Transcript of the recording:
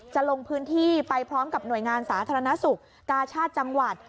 ลงพื้นที่ไปพร้อมกับหน่วยงานสาธารณสุขกาชาติจังหวัด